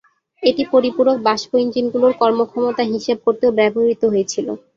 এটি পরিপূরক বাষ্প ইঞ্জিনগুলির কর্মক্ষমতা হিসেব করতেও ব্যবহৃত হয়েছিল।